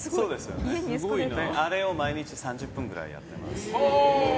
あれを毎日３０分やってます。